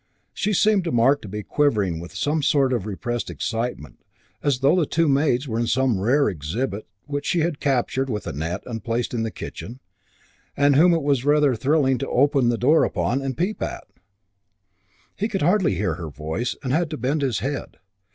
She seemed to Mark to be quivering with some sort of repressed excitement, as though the two maids were some rare exhibit which she had captured with a net and placed in the kitchen, and whom it was rather thrilling to open the door upon and peep at. He could hardly hear her voice and had to bend his head.